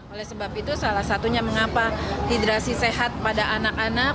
oleh sebab itu salah satunya mengapa hidrasi sehat pada anak anak